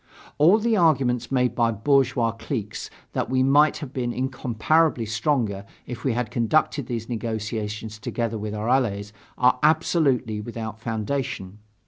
All the arguments made by bourgeois cliques that we might have been incomparably stronger if we had conducted these negotiations together with our allies are absolutely without foundation.